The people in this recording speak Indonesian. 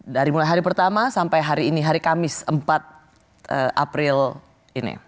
dari mulai hari pertama sampai hari ini hari kamis empat april ini